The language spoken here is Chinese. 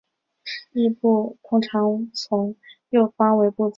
殳部通常从右方为部字。